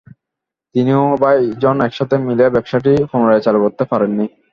তিনি ও ভাই জন একসাথে মিলেও ব্যবসাটি পুনরায় চালু করতে পারেননি।